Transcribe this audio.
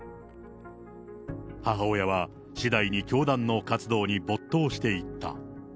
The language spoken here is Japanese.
母親は次第に教団の活動に没頭していった。